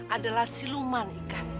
adalah siluman ikan